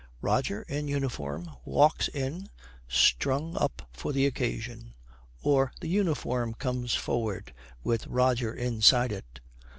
Roger, in uniform, walks in, strung up for the occasion. Or the uniform comes forward with Roger inside it.